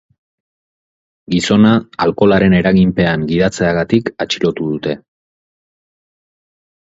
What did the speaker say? Gizona alkoholaren eraginpean gidatzeagatik atxilotu dute.